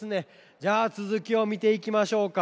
じゃあつづきをみていきましょうか。